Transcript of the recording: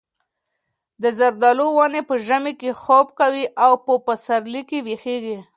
د زردالو ونې په ژمي کې خوب کوي او په پسرلي کې ویښېږي.